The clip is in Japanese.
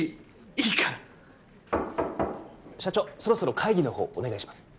いいから社長そろそろ会議の方お願いします